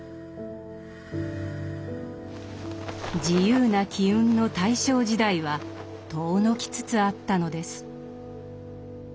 自由な機運の大正時代は遠のきつつあったのです。